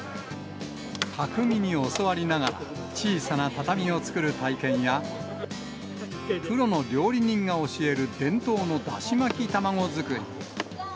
たくみに教わりながら、小さな畳を作る体験や、プロの料理人が教える伝統のだし巻き卵作り。